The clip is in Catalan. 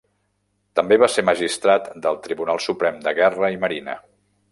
També va ser magistrat del Tribunal Suprem de Guerra i Marina.